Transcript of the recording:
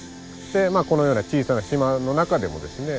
このような小さな島の中でもですね